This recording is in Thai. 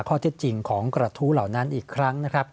ข้อเท็จจริงของกระทู้เหล่านั้นอีกครั้งนะครับ